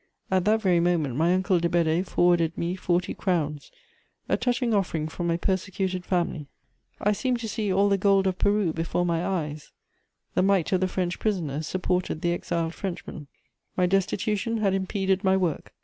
At that very moment my uncle de Bedée forwarded me forty crowns, a touching offering from my persecuted family. I seemed to see all the gold of Peru before my eyes: the mite of the French prisoners supported the exiled Frenchman. [Sidenote: Destitution.] My destitution had impeded my work.